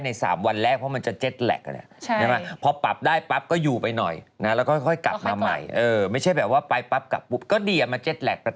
ในสามวันแรกเพราะที่มันจะเจ็ดแลก